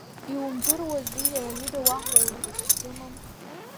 Иумдыруази иара ида уаҳа уаҩ дышсымам?